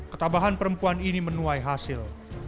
ketabahan perempuan ini menuai hasil